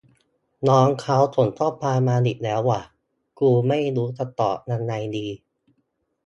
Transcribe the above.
น้องเขาส่งข้อความมาอีกแล้วว่ะ กูไม่รู้จะตอบยังไงดี